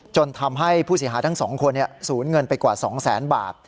จนทำให้ผู้เสียหายทั้งสองคนสูญเงินไปกว่า๒แสนบาท